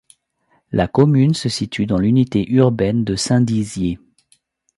La commune se situe dans l'unité urbaine de Saint-Dizier.